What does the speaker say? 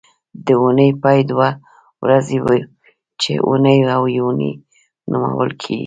د اونۍ پای دوه ورځې وي چې اونۍ او یونۍ نومول کېږي